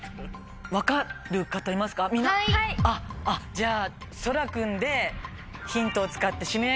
じゃあそら君でヒントを使って。